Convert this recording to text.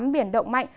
biển động mạnh